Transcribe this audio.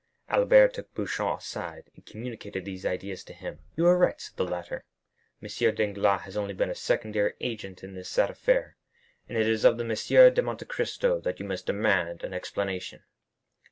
Albert took Beauchamp aside, and communicated these ideas to him. "You are right," said the latter; "M. Danglars has only been a secondary agent in this sad affair, and it is of M. de Monte Cristo that you must demand an explanation."